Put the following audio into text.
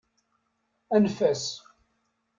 Anef-as.